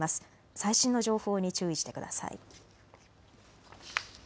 最新の情報に注意してください。